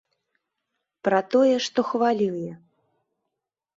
Пра тое, што хвалюе.